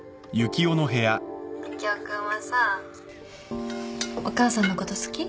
ユキオ君はさお母さんのこと好き？